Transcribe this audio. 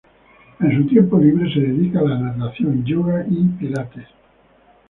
En su tiempo libre se dedica a la natación, yoga y pilates.